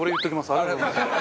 ありがとうございます。